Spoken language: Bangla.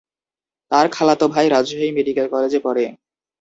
তার খালাতো ভাই রাজশাহী মেডিকেল কলেজে পড়ে।